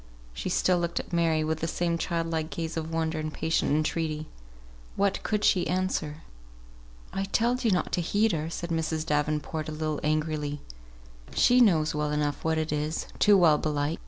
She still looked at Mary, with the same child like gaze of wonder and patient entreaty. What could she answer? "I telled ye not to heed her," said Mrs. Davenport, a little angrily. "She knows well enough what it is, too well, belike.